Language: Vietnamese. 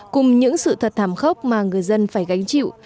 cùng những sự thật thảm khốc mà người dân phải gánh chịu